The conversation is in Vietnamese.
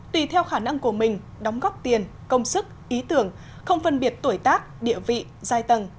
tùy theo khả năng của mình đóng góp tiền công sức ý tưởng không phân biệt tuổi tác địa vị giai tầng